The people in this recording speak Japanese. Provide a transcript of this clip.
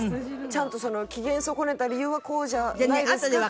ちゃんと機嫌損ねた理由はこうじゃないですか？